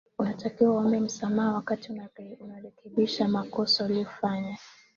inatakiwa uombe msamaha wakati unarekebisha makosa uliyoyafanya